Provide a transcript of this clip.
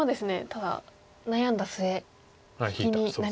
ただ悩んだ末引きになりましたね。